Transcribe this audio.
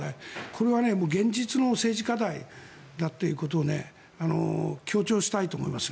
これは現実の政治課題だということを強調したいと思います。